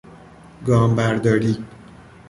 گام برداری